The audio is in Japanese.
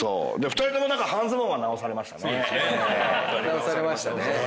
直されましたね。